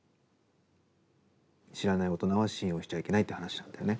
知らない大人は信用しちゃいけないって話だったよね。